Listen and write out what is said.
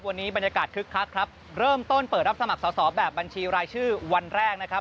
วันนี้บรรยากาศคึกคักครับเริ่มต้นเปิดรับสมัครสอบแบบบัญชีรายชื่อวันแรกนะครับ